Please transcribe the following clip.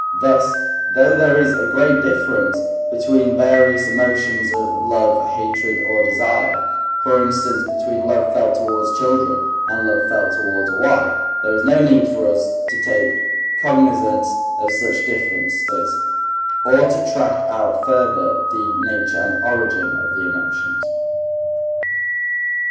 Thus, though there is a great difference between various emotions of love, hatred, or desire, for instance between love felt towards children, and love felt towards a wife, there is no need for us to take cognizance of such differences, or to track out further the nature and origin of the emotions.